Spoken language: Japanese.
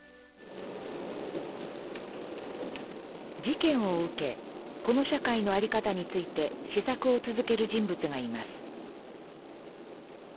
事件を受けこの社会の在り方について思索を続ける人物がいます。